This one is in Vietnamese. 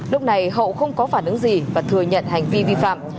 lúc này hậu không có phản ứng gì và thừa nhận hành vi vi phạm